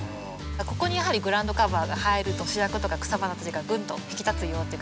ここにやはりグラウンドカバーが入ると主役とか草花たちがぐんと引き立つよという形で。